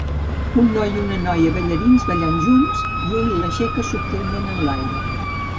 Un noi i una noia ballarins ballant junts, i ell l'aixeca subtilment enlaire.